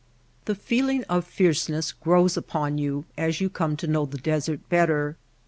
The feeling of fierceness grows upon you as you come to know the desert better.